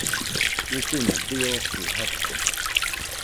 Usuma dɨokɨ jate.